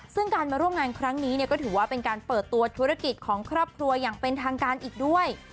ซึ่งการมาร่วมงานครั้งนี้ก็ถือว่าเป็นการเปิดตัวธุรกิจของครอบครัวอย่างเป็นทางการอีกด้วย